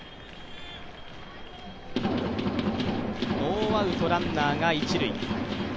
ノーアウトランナーが一塁。